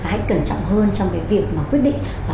hãy cẩn trọng hơn trong việc quyết định